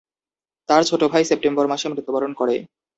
তার ছোট ভাই সেপ্টেম্বর মাসে মৃত্যুবরণ করে।